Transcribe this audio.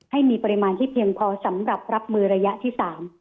ให้มีปริมาณที่เพียงพอสำหรับรับมือระยะที่๓